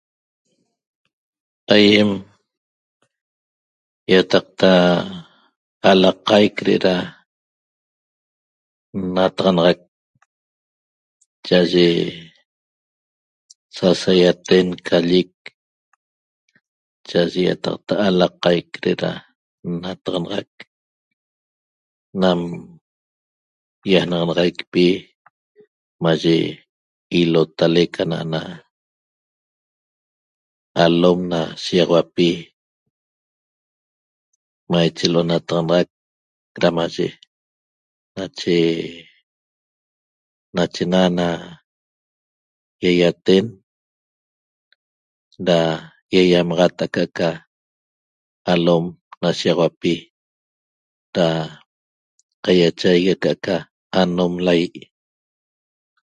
Aýem ýataqta alaqaic de'eda nnataxanaxac cha'aye sasaýaten ca llic cha'aye ýataqta alaqaic de'eda nnataxanaxac nam ýajnaxanaxaicpi mayi ilotalec ana'ana alom na shiýaxauapi maiche l'onataxanaxac damaye nache nachena na ýaýaten da ýaýamaxat aca'aca alom na shiýaxauapi da qaiachaigui aca'aca anom laýi'